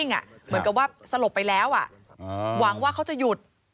เหมือนกับว่าสลบไปแล้วหวังว่าเขาจะหยุด